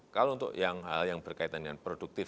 kalau untuk yang hal yang berkaitan dengan produktif